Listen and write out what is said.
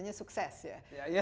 biasanya sukses ya